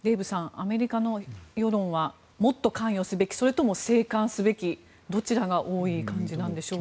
アメリカの世論はもっと関与すべきそれとも静観すべきどちらが多い感じでしょうか。